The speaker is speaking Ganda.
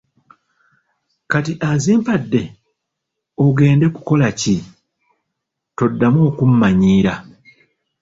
Kati azimpadde ogenda kukola ki, toddamu okummannyiira.